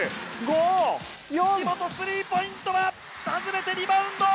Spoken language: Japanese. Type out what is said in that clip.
スリーポイント、外れてリバウンド。